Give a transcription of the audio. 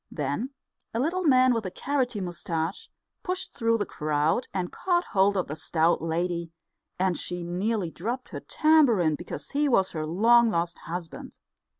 Then a little man with a carroty moustache pushed through the crowd and caught hold of the stout lady; and she nearly dropped her tambourine, because he was her long lost husband.